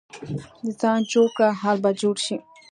ځان جوړ کړه، حال به جوړ شي.